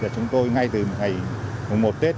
chúng tôi ngay từ ngày một tết